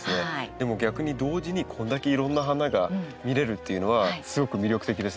でも逆に同時にこれだけいろんな花が見れるっていうのはすごく魅力的ですよね。